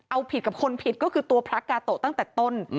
เอาผิดกับคนผิดก็คือตัวพระกาโตะตั้งแต่ต้น